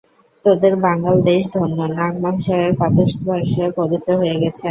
তোদের বাঙাল দেশ ধন্য, নাগ-মহাশয়ের পাদস্পর্শে পবিত্র হয়ে গেছে।